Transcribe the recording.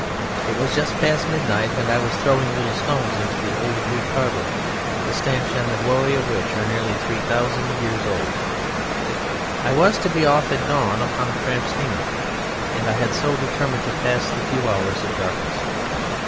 It was just past midnight, and I was throwing little stones into the old Greek harbour, the stench and the glory of which are nearly three thousand years old; I was to be off at dawn upon a tramp steamer, and I had so determined to pass the few hours of darkness.